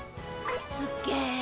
すっげえ。